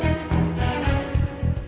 gak akan kecil